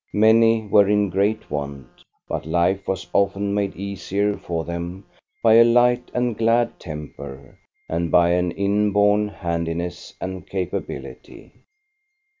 Many were in great want ; but life was often made easier for them by a light and glad temper, and by an inborn handiness and capability.